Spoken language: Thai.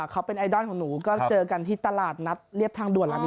เขาเป็นไอดอลของหนูก็เจอกันที่ตลาดลีบทางด่วนอ่ามินทา